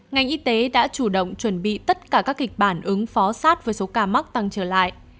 ngành y tế đã chủ động chuẩn bị tất cả các kịch bản ứng phó sát với số ca mắc tăng trở lại